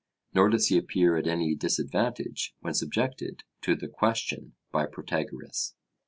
Nor does he appear at any disadvantage when subjected to 'the question' by Protagoras.